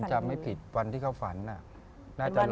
ถ้าผมจำให้ผิดวันที่เขาฝันน่ะน่าจะหลัง